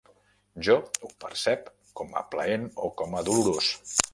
Jo ho percep com a plaent o com a dolorós.